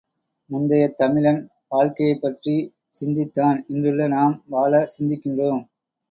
முந்தையத் தமிழன் வாழ்க்கையைப்பற்றிச் சிந்தித்தான் இன்றுள்ள நாம் வாழச் சிந்திக்கின்றோம்.